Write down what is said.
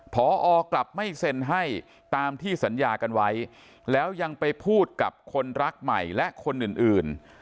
พอกลับไม่เซ็นให้ตามที่สัญญากันไว้แล้วยังไปพูดกับคนรักใหม่และคนอื่น